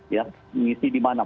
mengisi di mana